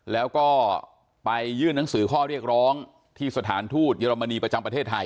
แล้วก็ไปยื่นหนังสือข้อเรียกร้องที่สถานทูตเยอรมนีประจำประเทศไทย